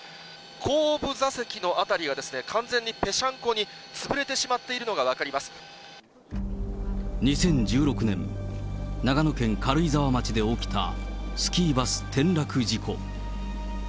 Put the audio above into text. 後部座席の辺りが、完全にぺしゃんこに潰れてしまっているのが分２０１６年、長野県軽井沢町で起きたスキーバス転落事故。